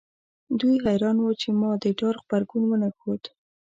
دوی حیران وو چې ما د ډار غبرګون ونه ښود